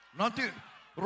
menurun dari kakek ke cucu